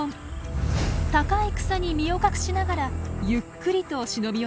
高い草に身を隠しながらゆっくりと忍び寄っています。